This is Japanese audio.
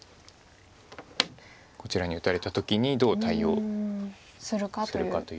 こちらに打たれた時にどう対応するかという。